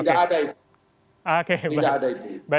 tidak ada itu